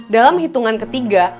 dalam hitungan ketiga